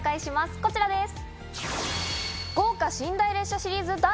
こちらです。